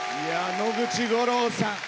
野口五郎さん。